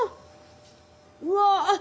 うわ